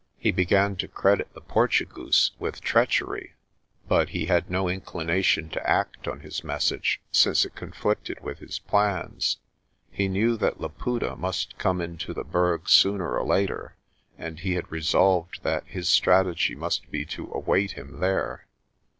He began to credit the Portugoose with treachery but he had no inclination to act on his message, since it conflicted with his plans. He knew that Laputa must come into the Berg sooner or later and he had resolved that his strategy must be to await him there.